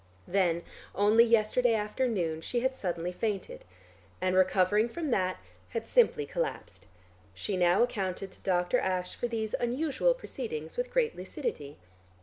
Then, only yesterday afternoon, she had suddenly fainted, and recovering from that had simply collapsed. She now accounted to Dr. Ashe for these unusual proceedings with great lucidity.